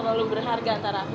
selalu mengharap kepada mu